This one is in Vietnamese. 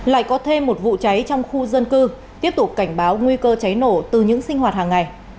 lại có thêm một vụ cháy trong khu dân cư tiếp tục cảnh báo nguy cơ cháy nổ từ những sinh hoạt hàng ngày